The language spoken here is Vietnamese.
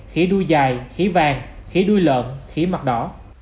khí đuôi dài khí vàng khí đuôi lợn khí mặt đỏ